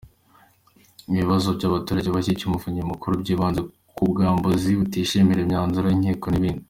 Ibibazo abaturage bashyikirije Umuvunyi Mukuru byibanze k’ubwambuzi, kutishimira imyanzuro y’inkiko n’ibindi.